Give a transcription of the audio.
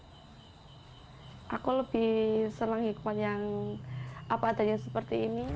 saya lebih suka hikmah yang seperti ini